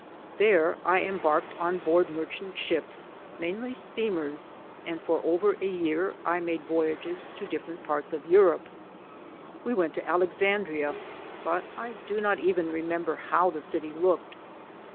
There I embarked on board mer chant ships, mainly steamers, and for over a year I made voyages to different parts of Europe. We went to Alexandria, but I do not even remember how the city looked.